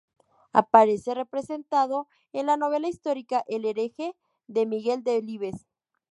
Aparece representado en la novela histórica "El hereje" de Miguel Delibes.